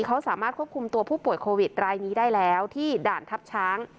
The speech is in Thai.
เขาสามารถควบคุมตัวผู้ป่วยโควิดรายนี้ได้แล้วที่ด่านทัพช้าง